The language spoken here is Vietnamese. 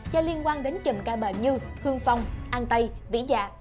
và liên quan đến chùm ca bệnh như hương phong an tây vĩ dạ